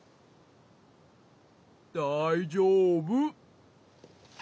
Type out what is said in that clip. だいじょうぶ！